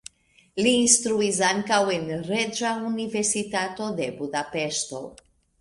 Li instruis ankaŭ en Reĝa Universitato de Budapeŝto.